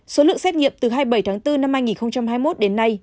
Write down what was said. số lượng xét nghiệm từ hai mươi bảy tháng bốn năm hai nghìn hai mươi một đến nay